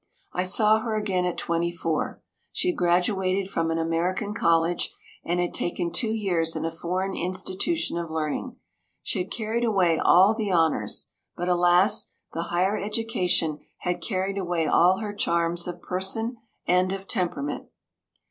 I saw her again at twenty four. She had graduated from an American college and had taken two years in a foreign institution of learning. She had carried away all the honours but, alas, the higher education had carried away all her charms of person and of temperament.